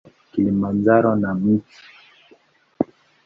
Kilimanjaro na Mt.